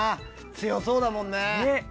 強そうだもんね。